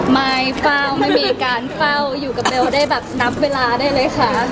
ไม่เฝ้าไม่มีการเฝ้าอยู่กับเบลได้แบบนับเวลาได้เลยค่ะ